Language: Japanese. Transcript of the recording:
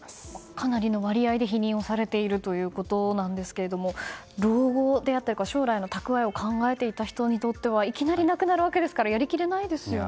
かなりの割合で否認されていることなんですけど老後であったり将来の蓄えを考えていた人にとってはいきなりなくなるわけですからやりきれないですよね。